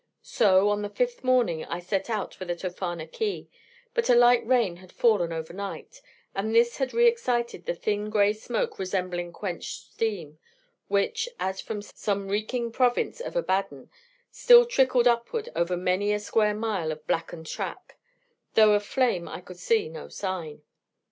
So, on the fifth morning I set out for the Tophana quay; but a light rain had fallen over night, and this had re excited the thin grey smoke resembling quenched steam, which, as from some reeking province of Abaddon, still trickled upward over many a square mile of blackened tract, though of flame I could see no sign.